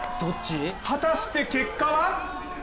果たして結果は？